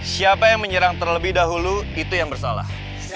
siapa yang menyerang terlebih dahulu itu yang bersalah